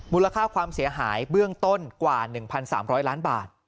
มูลค่าความเสียหายเบื้องต้นกว่า๑๓๐๐ล้านบาท